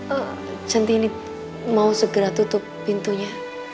oh centini mau segera tutup pintunya